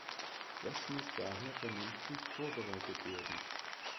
Das muss daher vernünftig vorbereitet werden.